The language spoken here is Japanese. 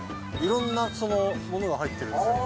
色んな物が入ってるんですね